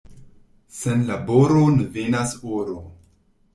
Sen laboro ne venas oro.